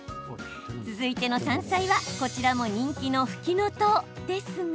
続いての山菜はこちらも人気のふきのとうですが。